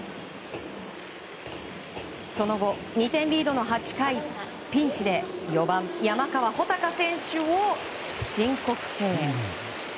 その後、２点リードの８回ピンチで４番、山川穂高選手を申告敬遠。